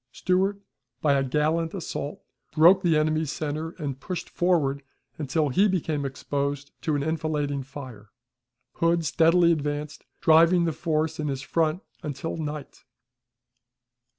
Stewart, by a gallant assault, broke the enemy's center, and pushed forward until he became exposed to an enfilading fire. Hood steadily advanced, driving the force in his front until night.